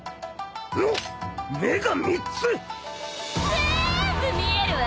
ぜんぶ見えるわ！